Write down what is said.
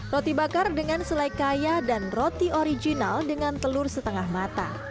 roti bakar dengan selai kaya dan roti original dengan telur setengah mata